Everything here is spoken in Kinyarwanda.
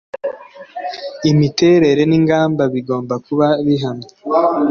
Imiterere n ingamba bigomba kuba bihamye